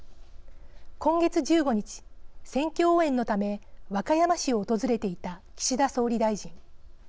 今月１５日選挙応援のため和歌山市を訪れていた岸田総理大臣。